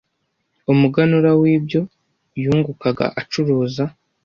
umuganura w’ibyo yungukaga acuruza